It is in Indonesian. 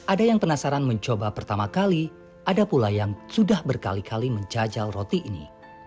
ada yang penasaran mencoba pertama kali ada pula yang sudah berkali kali menjajal roti ini